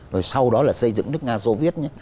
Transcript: rồi sau đó là xây dựng nước nga dô viết